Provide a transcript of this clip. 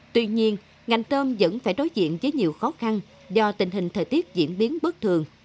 tuy nhiên ngành tôm vẫn phải đối diện với nhiều khó khăn do tình hình thời tiết diễn biến bất thường